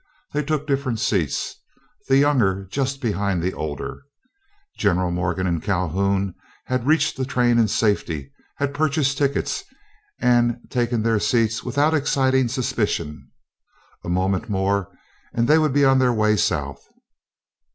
They took different seats, the younger just behind the older. General Morgan and Calhoun had reached the train in safety; had purchased tickets, and taken their seats without exciting suspicion. A moment more and they would be on their way South.